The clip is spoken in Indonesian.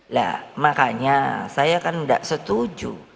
nah makanya saya kan enggak setuju